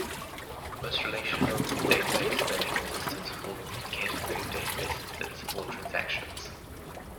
Most relational database management systems fall into the category of databases that support transactions.